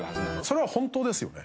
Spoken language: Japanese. それは本当ですよね？